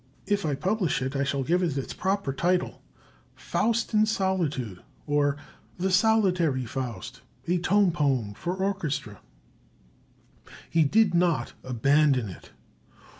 If I publish it, I shall give it its proper title, 'Faust in Solitude,' or 'The Solitary Faust: a Tone Poem for Orchestra.'" He did not "abandon" it.